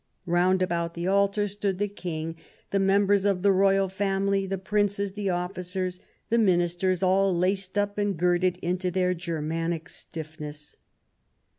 Round about the altar stood the King, the members of the Royal Family, the Princes, the Officers, the Ministers, all laced up and girded into their Germanic stiff ness.